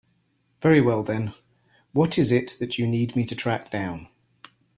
Very well then, what is it that you need me to track down?